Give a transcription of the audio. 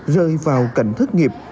rơi vào cảnh thất nghiệp